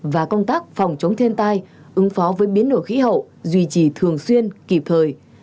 và công tác phòng chống thiên tai ứng phó với biến đổi khí hậu duy trì thường xuyên kịp thời